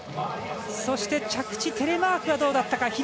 そして、着地テレマークはどうだったか。